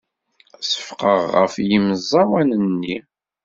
Seffqeɣ ɣef yemẓawanen-nni.